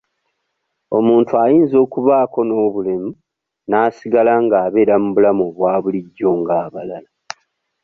Omuntu ayinza okubaako n'obulemu n'asigala ng'abeera mu bulamu obwa bulijjo ng'abalala.